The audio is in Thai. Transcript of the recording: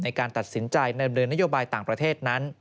ในการตัดสินใจในเรือนโยบายต่างประเทศ